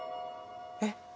えっ？